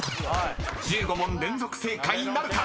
［１５問連続正解なるか⁉］